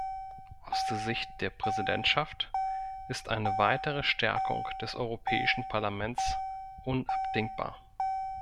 Aus der Sicht der Präsidentschaft ist eine weitere Stärkung des Europäischen Parlaments unabdingbar.